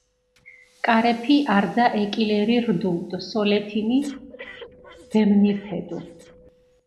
კარეფი არძა ეკილერი რდუ დო სოლეთინი ვემნირთედუ.